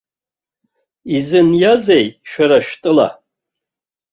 Изыниазеи шәара шәтәыла?